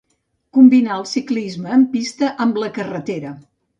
Combinà el ciclisme en pista amb la carretera.